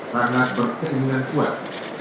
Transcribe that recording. sangat berkeinginan kuat